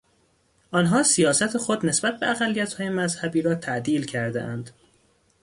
آنها سیاست خود نسبت به اقلیتهای مذهبی را تعدیل کردهاند.